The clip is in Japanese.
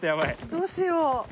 どうしよう。